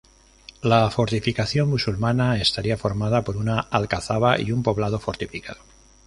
La fortificación musulmana estaría formada por una alcazaba y un poblado fortificado.